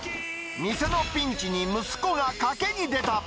店のピンチに息子が賭けに出た。